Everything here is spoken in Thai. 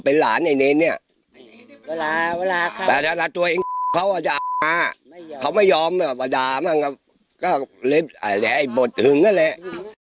เป็นหลานไอ้เนนเนี่ยแต่ละตัวเองเขาจะอามาเขาไม่ยอมอาดามากก็แหละไอ้บดหึงนั่นแหละ